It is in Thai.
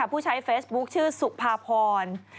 ผู้ใช้เฟซบุ๊คชื่อสุภาพร